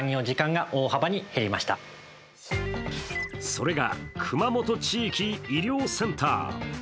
それが熊本地域医療センター。